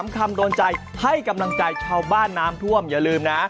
คำโดนใจให้กำลังใจชาวบ้านน้ำท่วมอย่าลืมนะ